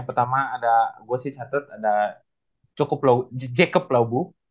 pertama ada gua sih catet ada jacob lobo